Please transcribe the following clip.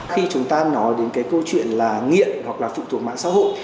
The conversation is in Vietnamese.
khi chúng ta nói đến cái câu chuyện là nghiện hoặc là phụ thuộc mạng xã hội